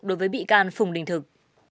đối với bị can phùng đình thực